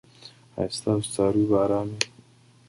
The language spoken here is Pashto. ایا ستاسو څاروي به ارام وي؟